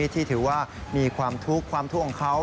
ที่ถือว่ามีความทุกข์ความทุกข์ของเขา